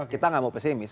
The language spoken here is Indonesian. kita nggak mau pesimis